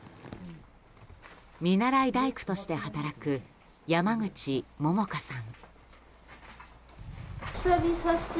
見習大工として働く山口桃加さん。